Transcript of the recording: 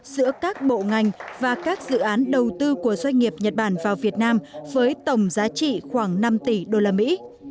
giữa các bộ ngành và các dự án đầu tư của doanh nghiệp nhật bản vào việt nam với tổng giá trị khoảng năm tỷ đô la mỹ